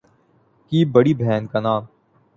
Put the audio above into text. کی بڑی بہن کا نام